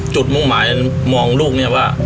มุ่งหมายมองลูกเนี่ยว่า